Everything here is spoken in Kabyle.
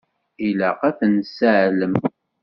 Ilaq ad ten-nesseɛlem.